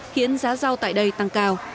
khiến giá rau tại đây tăng cao